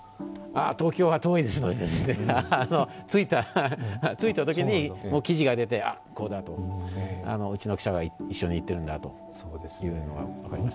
東京は遠いですので、着いたときに記事が出て、こうだとうちの記者が一緒に行っているので、というのは分かりました。